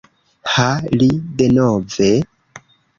Ha, li... denove?!